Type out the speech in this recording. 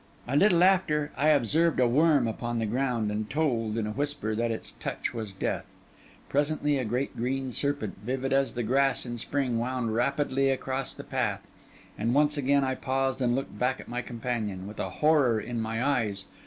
A little after, I observed a worm upon the ground, and told, in a whisper, that its touch was death. Presently a great green serpent, vivid as the grass in spring, wound rapidly across the path; and once again I paused and looked back at my companion, with a horror in my eyes.